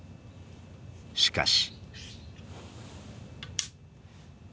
しかし。